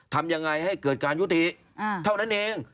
ทำยังไงให้เกิดการยุติเท่านั้นเอง